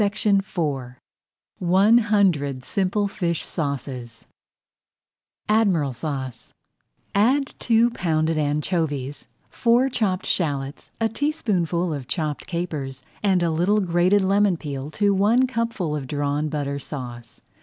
[Page 13] ONE HUNDRED SIMPLE FISH SAUCES ADMIRAL SAUCE Add two pounded anchovies, four chopped shallots, a teaspoonful of chopped capers, and a little grated lemon peel to one cupful of Drawn Butter Sauce.